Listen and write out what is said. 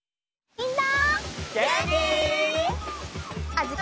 みんな！